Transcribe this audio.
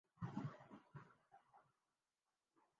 گرنے لگیں تو اسحاق ڈار بن جاتے ہیں۔